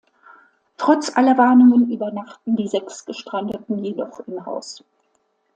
Trotz aller Warnungen übernachten die sechs Gestrandeten jedoch im Haus.